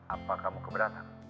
apa kamu keberatan